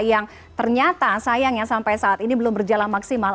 yang ternyata sayangnya sampai saat ini belum berjalan maksimal